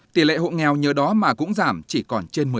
tỷ lệ hộ nghèo nhờ đó mà cũng giảm chỉ còn trên một mươi